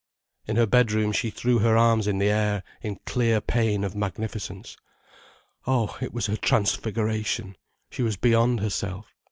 In her bedroom she threw her arms in the air in clear pain of magnificence. Oh, it was her transfiguration, she was beyond herself.